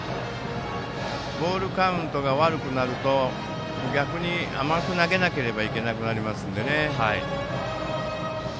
ボールカウントが悪くなると逆に甘く投げなければいけなくなりますので。